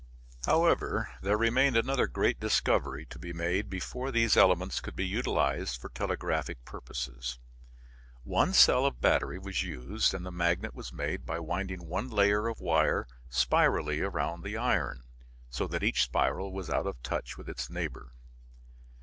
However, there remained another great discovery to be made before these elements could be utilized for telegraphic purposes. One cell of battery was used, and the magnet was made by winding one layer of wire spirally around the iron, so that each spiral was out of touch with its neighbor.